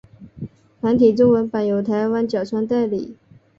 繁体中文版由台湾角川代理。